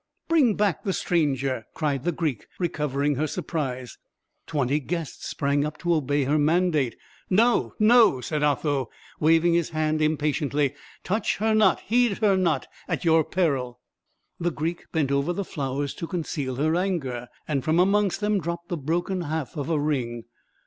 "Bring back the stranger!" cried the Greek, recovering her surprise. Twenty guests sprang up to obey her mandate. "No, no!" said Otho, waving his hand impatiently. "Touch her not, heed her not, at your peril." The Greek bent over the flowers to conceal her anger, and from amongst them dropped the broken half of a ring.